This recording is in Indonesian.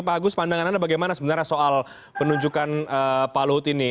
pak agus pandangan anda bagaimana sebenarnya soal penunjukan pak luhut ini